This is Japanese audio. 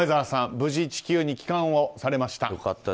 無事、地球に帰還をされました。